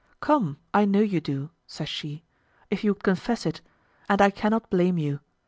"Come, I know you do," says she, "if you would confess it, and I cannot blame you.